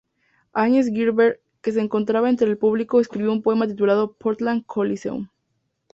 Allen Ginsberg, que se encontraba entre el público, escribió un poema titulado "Portland Coliseum".